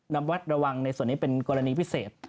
วัดระวังในส่วนนี้เป็นกรณีพิเศษ